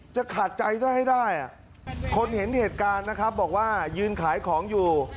จะขาดใจซะให้ได้คนเห็นเหตุการณ์นะครับบอกว่ายืนขายของอยู่